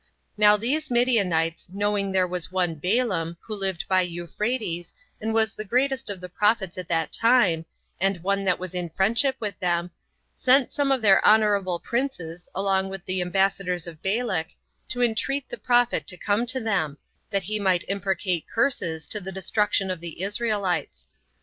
Now these Midianites knowing there was one Balaam, who lived by Euphrates, and was the greatest of the prophets at that time, and one that was in friendship with them, sent some of their honorable princes along with the ambassadors of Balak, to entreat the prophet to come to them, that he might imprecate curses to the destruction of the Israelites.